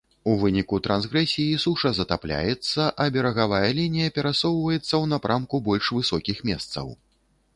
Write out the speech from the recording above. У выніку трансгрэсіі суша затапляецца, а берагавая лінія перасоўваецца ў напрамку больш высокіх месцаў.